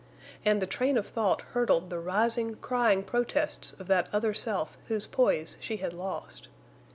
And the train of thought hurdled the rising, crying protests of that other self whose poise she had lost.